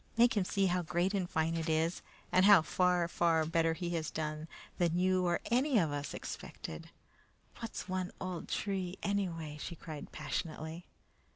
Make him see how great and fine it is, and how far, far better he has done than you or any of us expected! What's one old tree, anyway?" she cried passionately.